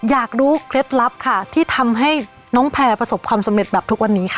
อยากรู้เคล็ดลับค่ะที่ทำให้น้องแพร่ประสบความสำเร็จแบบทุกวันนี้ค่ะ